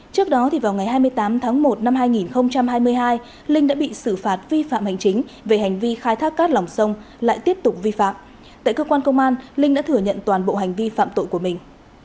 trước đó vào ngày hai mươi tám tháng một năm hai nghìn hai mươi hai linh đã bị xử phạt vi phạm hành chính về hành vi khai thác cát lòng sông lại tiếp tục vi phạm tại cơ quan công an linh đã thừa nhận toàn bộ hành vi phạm tội của mình